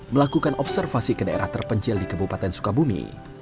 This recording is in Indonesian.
melakukan observasi ke daerah terpencil di kabupaten sukabumi